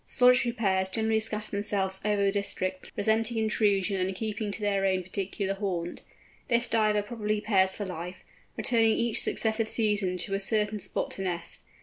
Solitary pairs generally scatter themselves over a district, resenting intrusion, and keeping to their own particular haunt. This Diver probably pairs for life, returning each successive season to a certain spot to nest.